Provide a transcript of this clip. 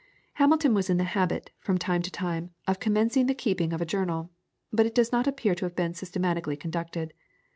Hamilton was in the habit, from time to time, of commencing the keeping of a journal, but it does not appear to have been systematically conducted.